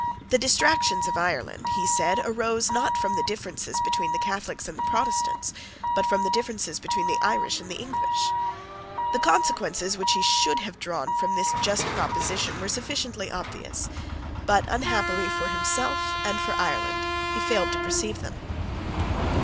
The distractions of Ireland, he said, arose, not from the differences between the Catholics and the Protestants, but from the differences between the Irish and the English. The consequences which he should have drawn from this just proposition were sufficiently obvious; but unhappily for himself and for Ireland he failed to perceive them.